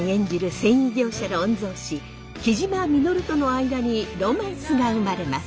繊維業者の御曹司雉真稔との間にロマンスが生まれます。